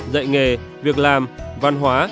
dạy nghề việc làm văn hóa